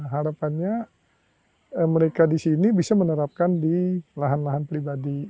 harapannya mereka di sini bisa menerapkan di lahan lahan pribadi